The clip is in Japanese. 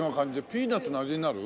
ピーナツの味になる？